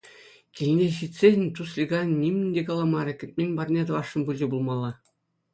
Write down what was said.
Килне ҫитсен Туслика нимӗн те каламарӗ — кӗтмен парне тӑвасшӑн пулчӗ пулмалла.